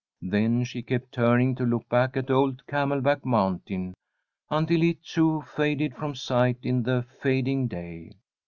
Then she kept turning to look back at old Camelback Mountain, until it, too, faded from sight in the fading day.